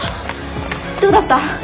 どうだった？